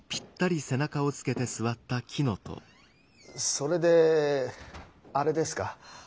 それでアレですか。